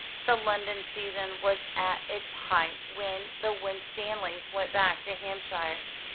The London season was at its height when the Winstanleys went back to Hampshire.